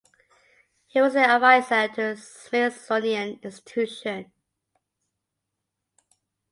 He was an advisor to the Smithsonian Institution.